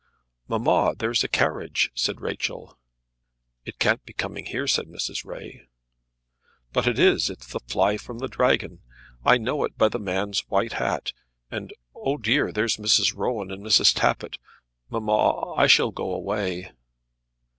"Mamma, there's a carriage," said Rachel. "It can't be coming here," said Mrs. Ray. "But it is; it's the fly from the Dragon. I know it by the man's white hat. And, oh dear, there's Mrs. Rowan and Mrs. Tappitt! Mamma, I shall go away."